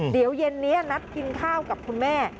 เดี๋ยวเย็นนี้นัดกินข้าวกับคุณแม่